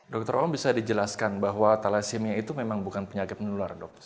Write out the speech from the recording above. dokter om bisa dijelaskan bahwa thalassemia itu memang bukan penyakit menular dok